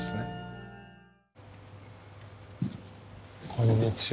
こんにちは。